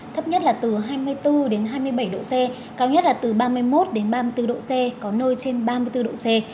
thấp nhất là từ hai mươi bốn hai mươi bảy độ c cao nhất là từ ba mươi một ba mươi bốn độ c có nơi trên ba mươi bốn độ c